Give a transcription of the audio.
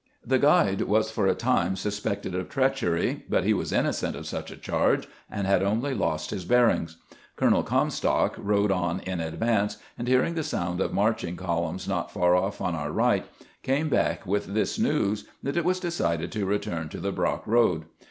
The gnide was for a time suspected of treachery, but he was innocent of such a charge, and had only lost his bear ings. Colonel Comstock rode on in advance, and hear ing the sound of marching columns not far of£ on our right, came back with this news, and it was decided to return to the Brock road.